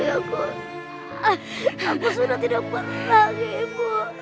aku sudah tidak pernah lagi ibu